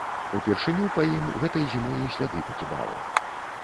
Упершыню па ім гэтай зімою сляды пакідала.